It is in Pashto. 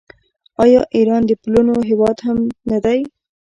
آیا ایران د پلونو هیواد هم نه دی؟